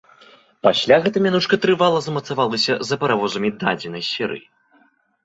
Пасля гэта мянушка трывала замацавалася за паравозамі дадзенай серыі.